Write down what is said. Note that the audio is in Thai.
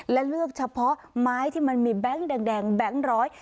และเลือกเฉพาะไม้ที่มันมีแบงค์แดงแบงค์ร้อย